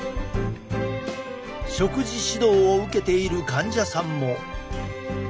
食事指導を受けている患者さんも。